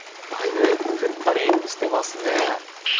うわだいぶくったりしてますね。